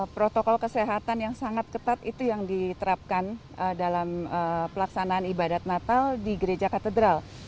protokol kesehatan yang sangat ketat itu yang diterapkan dalam pelaksanaan ibadat natal di gereja katedral